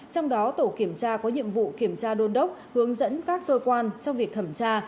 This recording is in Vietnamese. trong đó tổ kiểm tra có nhiệm vụ kiểm tra đôn đốc hướng dẫn các cơ quan trong việc thẩm tra